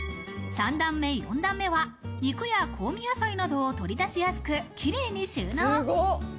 ３段目、４段目は肉や香味野菜などを取り出しやすく綺麗に収納。